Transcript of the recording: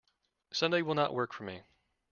Sunday will not work for me.